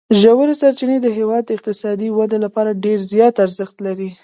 ژورې سرچینې د هېواد د اقتصادي ودې لپاره ډېر زیات ارزښت لري.